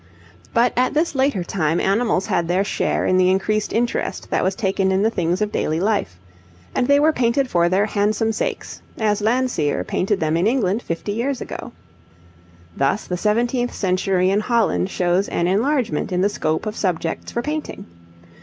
But at this later time animals had their share in the increased interest that was taken in the things of daily life, and they were painted for their handsome sakes, as Landseer painted them in England fifty years ago. Thus the seventeenth century in Holland shows an enlargement in the scope of subjects for painting.